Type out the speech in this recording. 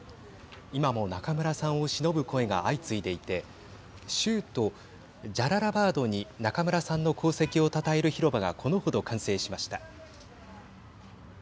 今も中村さんをしのぶ声が相次いでいて州都ジャララバードに中村さんの功績をたたえる広場がこの程完成しました。